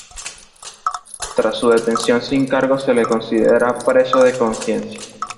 Tras su detención sin cargos se le considera preso de conciencia.